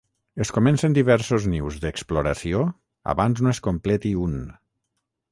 Es comencen diversos nius d'exploració abans no es completi un.